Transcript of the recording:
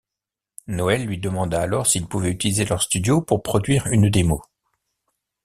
Noel lui demanda alors s'il pouvait utiliser leur studio pour produire une démo.